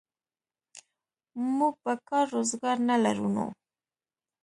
موږ به کار روزګار نه لرو نو.